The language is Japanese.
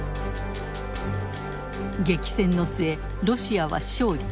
激戦の末ロシアは勝利。